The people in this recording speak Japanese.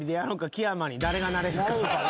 木山に誰がなれるか。